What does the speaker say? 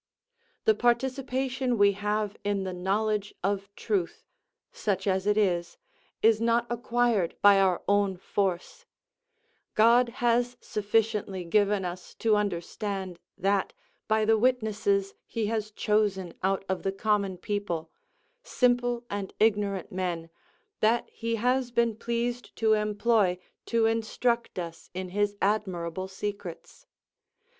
The participation we have in the knowledge of truth, such as it is, is not acquired by our own force: God has sufficiently given us to understand that, by the witnesses he has chosen out of the common people, simple and ignorant men, that he has been pleased to employ to instruct us in his admirable secrets.